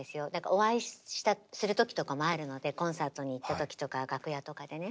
お会いする時とかもあるのでコンサートに行った時とか楽屋とかでね。